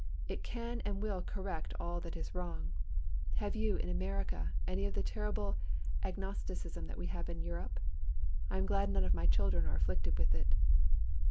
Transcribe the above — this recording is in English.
It can and will correct all that is wrong. Have you, in America, any of the terrible agnosticism that we have in Europe? I am glad none of my children are afflicted with it."